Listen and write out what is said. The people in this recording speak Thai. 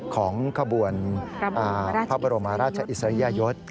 ของขบวนพระบรมราชอิสริยยศ